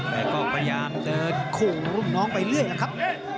แต่ก็พยายามเดินคู่รุ่นน้องไปเรื่อยนะครับ